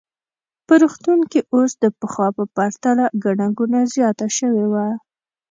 په روغتون کې اوس د پخوا په پرتله ګڼه ګوڼه زیاته شوې وه.